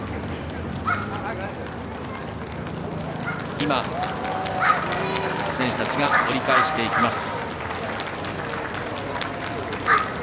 今、選手たちが折り返していきます。